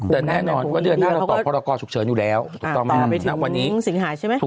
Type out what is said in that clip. แต่แน่นอนเดือนหน้าเราตอบภรรกาชุกเฉินอยู่แล้วตอบไปถึงสิงหายใช่ไหม